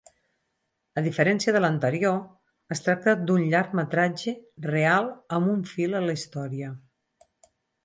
A diferència de l'anterior, es tracta d'un llargmetratge real amb un fil a la història.